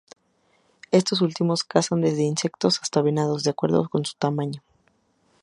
Estos últimos cazan desde insectos hasta venados, de acuerdo con su tamaño.